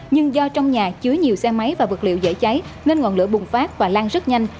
nhưng do trong nhà chứa nhiều xe máy và vật liệu dễ cháy nên ngọn lửa bùng phát và lan rất nhanh